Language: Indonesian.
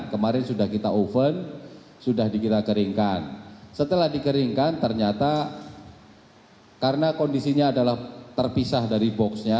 kemarin sudah kita oven sudah dikira keringkan setelah dikeringkan ternyata karena kondisinya adalah terpisah dari boxnya